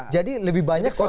jadi lebih banyak selama ini